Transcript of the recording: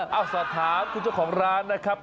สอบถามคุณเจ้าของร้านนะครับ